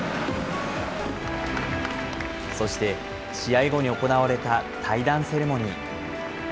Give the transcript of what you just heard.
そして、試合後に行われた退団セレモニー。